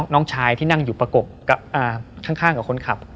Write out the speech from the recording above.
น้องชายที่นั่งอยู่ประกบข้างกับคนขับ